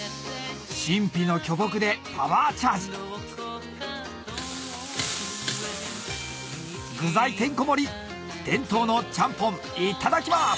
神秘の巨木でパワーチャージ具材てんこ盛り伝統のちゃんぽんいただきます！